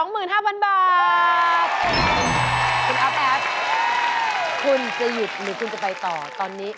คุณอ๊อฟแอฟคุณจะหยุดหรือคุณจะไปต่อตอนนี้